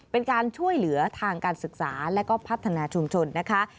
เป็นการช่วยเหลือทางการศึกษาและก็พัฒนาชุมชนนะคะ